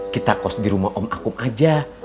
kita cost di rumah om akum aja